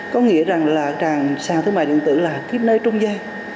có nghĩa rằng sản thương mại điện tử là cái nơi trung dây